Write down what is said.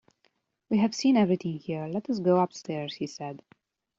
"We have seen everything here; let us go upstairs," he said.